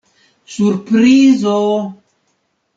Surprizo.